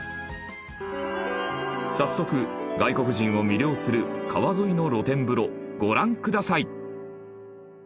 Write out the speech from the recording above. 早速外国人を魅了する川沿いの露天風呂ご覧ください！